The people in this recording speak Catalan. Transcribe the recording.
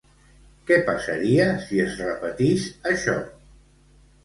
Què passaria si es repetís això?